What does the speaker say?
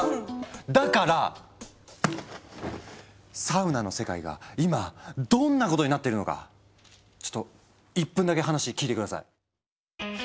だからサウナの世界が今どんなことになってるのかちょっと１分だけ話聞いて下さい。